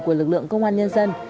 của lực lượng công an nhân dân